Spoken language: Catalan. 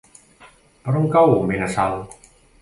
Per on cau Benassal?